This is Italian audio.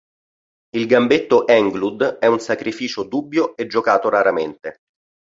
Il gambetto Englund è un sacrificio dubbio e giocato raramente.